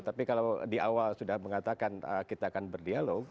tapi kalau di awal sudah mengatakan kita akan berdialog